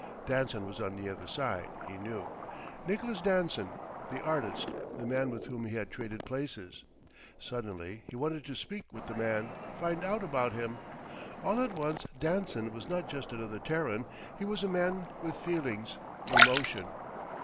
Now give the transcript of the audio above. Danson was on the other side, he knew. Nicholas Danson, the artist, the man with whom he had traded places. Suddenly he wanted to speak with the man, find out about him. All at once, Danson was not just another Terran he was a man, with feelings, emotion...